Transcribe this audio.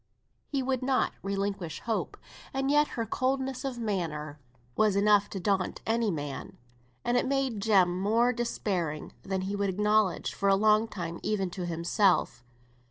He would not relinquish hope, and yet her coldness of manner was enough to daunt any man; and it made Jem more despairing than he would acknowledge for a long time even to himself.